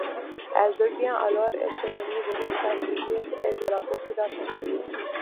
Elle devient alors échevine de l'État civil et de la Population.